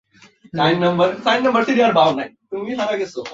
ইন্দোনেশিয় হিন্দুরা বিশ্বাস করে যে এই পর্বতমালা শিব এর আবাসস্থল।